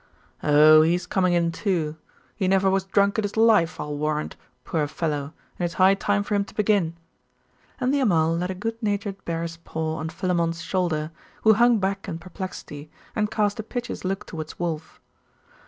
'Oh, he is coming in, too. He never was drunk in his life, I'll warrant, poor fellow, and it's high time for him to begin.' And the Amal laid a good natured bear's paw on Philammon's shoulder, who hung back in perplexity, and cast a piteous look towards Wulf.